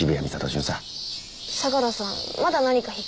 相良さんまだ何か引っかかるんですか？